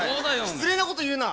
失礼なこと言うな！